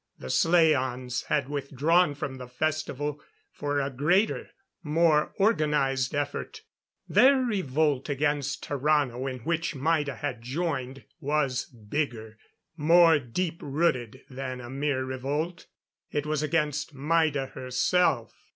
The slaans had withdrawn from the festival for a greater, more organized effort. Their revolt against Tarrano in which Maida had joined, was bigger, more deep rooted than a mere revolt. It was against Maida herself.